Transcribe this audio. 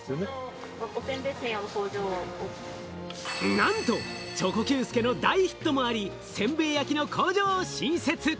なんとチョコＱ助の大ヒットもあり、せんべい焼きの工場を新設。